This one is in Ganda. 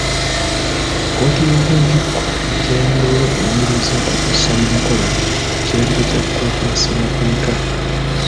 Kkooti y'okuntikko, enkya ya leero eyimirizza okussa mu nkola ekiragiro kya kkooti ya Ssemateeka.